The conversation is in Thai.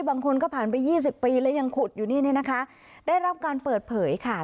บางคนก็ผ่านไป๒๐ปีแล้วยังขุดอยู่นี่เนี่ยนะคะได้รับการเปิดเผยค่ะ